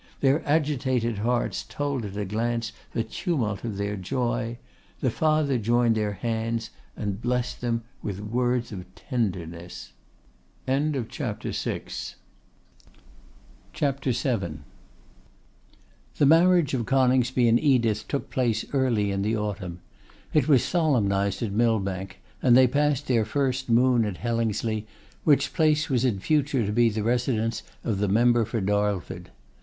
Their agitated hearts told at a glance the tumult of their joy. The father joined their hands, and blessed them with words of tenderness. CHAPTER VII. The marriage of Coningsby and Edith took place early in the autumn. It was solemnised at Millbank, and they passed their first moon at Hellingsley, which place was in future to be the residence of the member for Darlford.